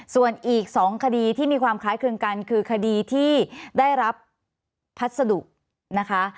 ส่วนอีก๒คดีที่มีความคล้ายคลึงกันคือคดีที่ได้รับพัสดุนะคะ